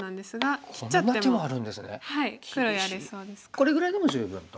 これぐらいでも十分と。